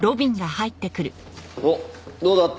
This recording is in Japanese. おっどうだった？